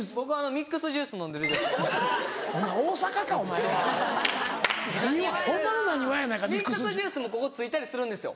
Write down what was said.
ミックスジュースもここ付いたりするんですよ。